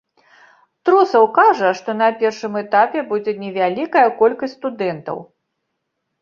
Трусаў кажа, што на першым этапе будзе невялікая колькасць студэнтаў.